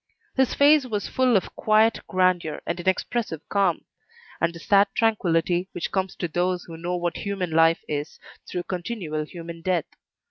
His face was full of quiet grandeur and impressive calm, and the sad tranquillity which comes to those who know what human life is through continual human death.